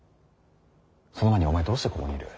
その前にお前どうしてここにいる。